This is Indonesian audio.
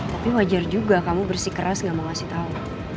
tapi wajar juga kamu bersih keras gak mau ngasih tahu